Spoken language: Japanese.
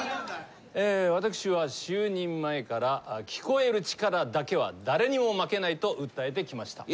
私は就任前から聴こえる力だけは誰にも負けないと訴えてきました。